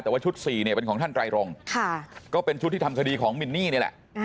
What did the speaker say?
แต่ว่าชุด๔เนี่ยเป็นของท่านไตรรงก็เป็นชุดที่ทำคดีของมินนี่นี่แหละ